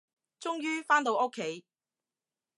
終於，返到屋企